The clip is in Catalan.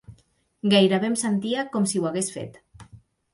Gairebé em sentia com si ho hagués fet.